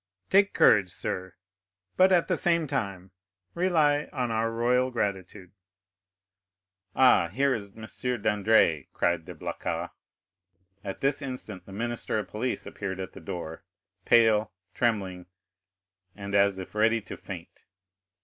Take courage, sir; but at the same time rely on our royal gratitude." "Ah, here is M. Dandré!" cried de Blacas. At this instant the minister of police appeared at the door, pale, trembling, and as if ready to faint.